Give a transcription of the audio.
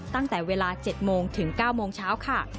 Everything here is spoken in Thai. ตั้งแต่เวลา๗โมงถึง๙โมงเช้าค่ะ